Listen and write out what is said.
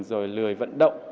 rồi lười vận động